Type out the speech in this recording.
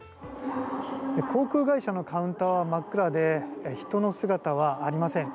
航空会社のカウンターは真っ暗で人の姿はありません。